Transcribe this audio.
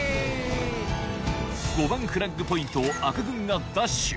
５番フラッグポイントを赤軍が奪取